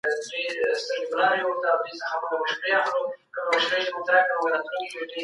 که زده کړه پلان ولري، ګډوډي نه منځته راځي.